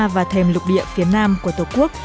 và thèm lục địa phía nam của tổ quốc